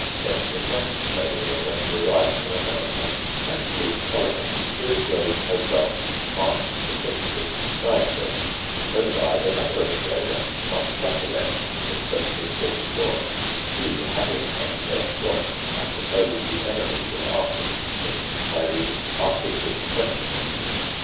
Benjamin West lay there when he arrived from America, and Luke Sullivan, who engraved Hogarth's * March to Finchley,' died there. So died another engraver, one Chatelain, in 1*744. He had in excess what I suppose the enemies of artists mean by the artistic temperament.